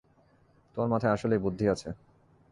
তোমার মাথায় আসলেই বুদ্ধি আছে।